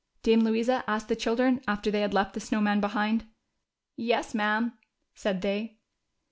Dame Louisa asked the children after they had left the Snow Man behind. "Yes, ma'am," said they.